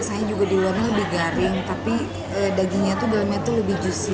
masaknya juga di luar lebih garing tapi dagingnya tuh dalamnya lebih juicy